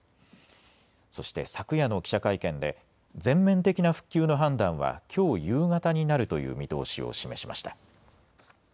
そして昨夜の記者会見で全面的な復旧の判断はきょう夕方になるという見通しを示しました。